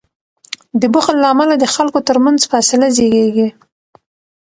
د بخل له امله د خلکو تر منځ فاصله زیږیږي.